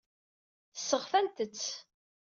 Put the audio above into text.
Sseɣtant-tt.